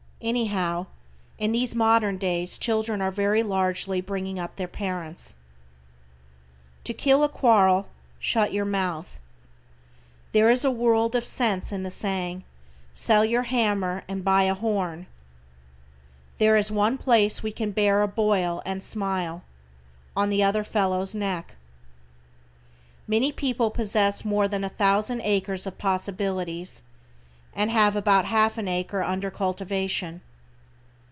Anyhow, in these modern days children are very largely bringing up their parents. To kill a quarrel, shut your mouth. There is a world of sense in the saying; "Sell your hammer and buy a horn." There is one place we can bear a boil, and smile on the other fellow's neck. Many people possess more than a thousand acres of possibilities, and have about half an acre under cultivation.